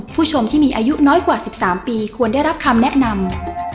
ผู้ชมที่มีอายุน้อยกว่า๑๓ปีควรได้รับคำแนะนำ